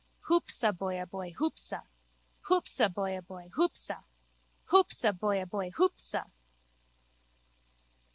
Hoopsa boyaboy hoopsa! Hoopsa boyaboy hoopsa! Hoopsa boyaboy hoopsa!